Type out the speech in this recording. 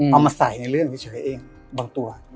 เอามาใส่ในเรื่องเฉยเองบางตัว